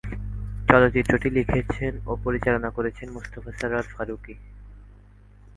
চলচ্চিত্রটি লিখেছেন ও পরিচালনা করেছেন মোস্তফা সরয়ার ফারুকী।